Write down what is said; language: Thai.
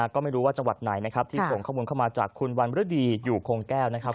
ก็ไม่รู้ว่าจังหวัดไหนนะครับที่ส่งข้อมูลเข้ามาจากคุณวันฤดีอยู่คงแก้วนะครับ